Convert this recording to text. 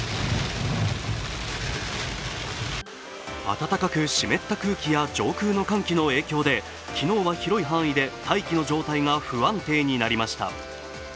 暖かく湿った空気や上空の寒気の影響で昨日は広い範囲で大気の状態が不安定になりました。